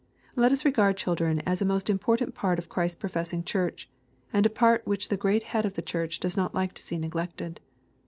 Let us regard children as a most important part of Christ's professing Church, and a part which the great Head of the Church does not like to see neglected.